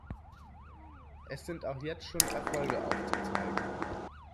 Es sind auch jetzt schon Erfolge aufzuzeigen.